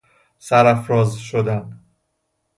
سرافراز شدن